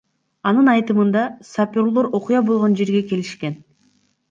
Анын айтымында, сапёрлор окуя болгон жерге келишкен.